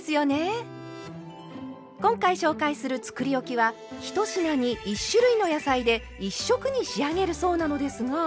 今回紹介するつくりおきは１品に１種類の野菜で１色に仕上げるそうなのですが。